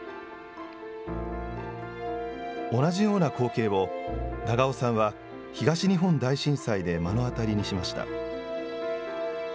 同じような光景を、長尾さんは東日本大震災で目の当たりにしました。